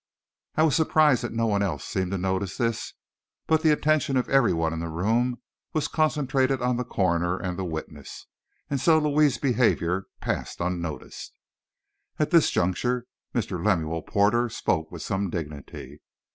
I was surprised that no one else seemed to notice this, but the attention of every one in the room was concentrated on the coroner and the witness, and so Louis's behavior passed unnoticed. At this juncture, Mr. Lemuel Porter spoke with some dignity.